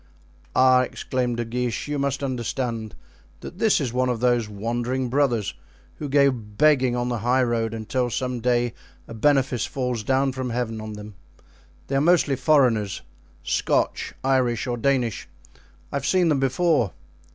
"Ah!" exclaimed De Guiche, "you must understand that this is one of those wandering brothers, who go begging on the high road until some day a benefice falls down from Heaven on them; they are mostly foreigners—Scotch, Irish or Danish. I have seen them before."